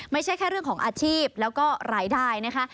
ไม่ใช่แค่เรื่องของอาชีพแล้วก็รายได้นะคะ